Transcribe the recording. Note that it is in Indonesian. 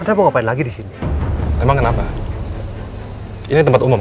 ada mau ngapain lagi di sini emang kenapa ini tempat umum